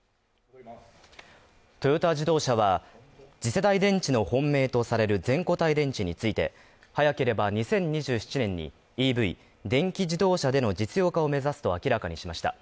トヨタ自動車は、次世代電池の本命とされる全固体電池について、早ければ２０２７年にＥＶ＝電気自動車での実用化を目指すと明らかにしました。